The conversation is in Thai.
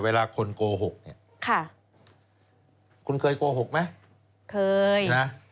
เวลาคนโกหกเนี่ยค่ะคุณเคยโกหกไหมเคยนะ